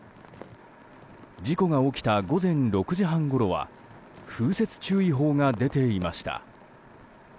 事故が起きた午前６時半ごろは風雪注意報が出ていました。